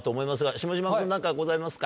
下嶋君何かございますか？